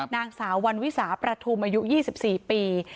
นางสาววันวิสาประทุมอายุ๒๔ปี